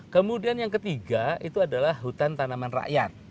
kemudian yang ketiga itu adalah hutan tanaman rakyat